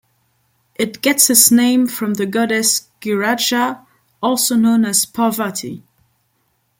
It gets its name from the goddess Giraja, also known as Parvati.